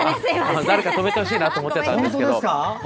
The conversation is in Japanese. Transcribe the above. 誰か止めてほしいなと思っちゃった。